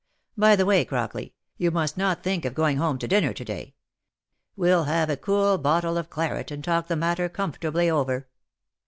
By the way, Crockley, you must not think of going home to dinner to day. We'll have a cool bottle of claret, and talk the matter comfortably over.